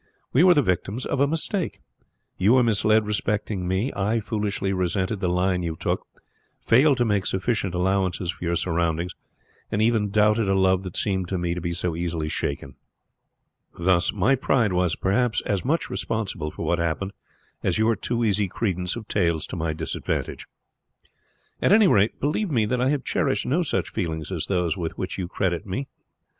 We were the victims of a mistake! You were misled respecting me. I foolishly resented the line you took, failed to make sufficient allowances for your surroundings, and even doubted a love that seemed to me to be so easily shaken. Thus my pride was, perhaps, as much responsible for what happened as your too easy credence of tales to my disadvantage. At any rate, believe me that I have cherished no such feelings as those with which you credit me toward you.